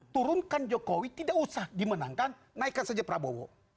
turunkan jokowi tidak usah dimenangkan naikkan saja prabowo